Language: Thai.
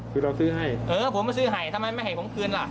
คือเราซื้อให้เออผมมาซื้อให้ทำไมไม่ให้ผมคืนล่ะ